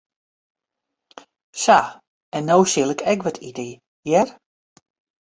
Sa, en no sil ik ek wat ite, hear.